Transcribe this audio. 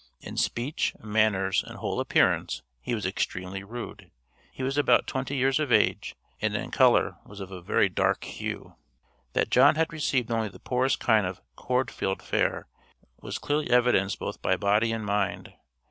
In speech, manners, and whole appearance he was extremely rude. He was about twenty years of age, and in color was of a very dark hue. That John had received only the poorest kind of "corn field fare" was clearly evidenced both by body and mind.